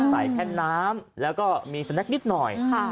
ใส่แค่น้ำแล้วก็มีสแนคนิดหน่อย